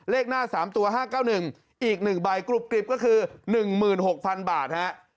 เลขหน้า๓ตัว๕๙๑อีก๑ใบกรุบกริบก็คือ๑๖๐๐๐บาทฮะ